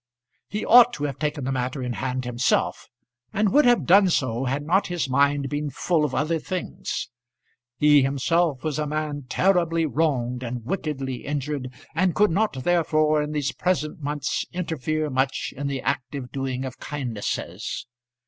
He ought to have taken the matter in hand himself, and would have done so had not his mind been full of other things. He himself was a man terribly wronged and wickedly injured, and could not therefore in these present months interfere much in the active doing of kindnesses.